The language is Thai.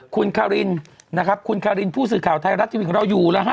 คุณคารินผู้สื่อข่าวไทยรัตรีวิทย์ของเราอยู่แล้ว